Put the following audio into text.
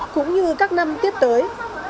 cũng như các năm tiếp tới